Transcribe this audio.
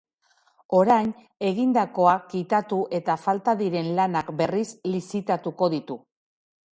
Orain, egindakoa kitatu eta falta diren lanak berriz lizitatuko ditu.